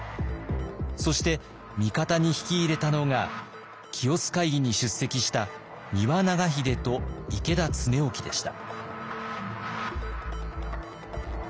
そして味方に引き入れたのが清須会議に出席した丹羽長秀と池田恒興でした。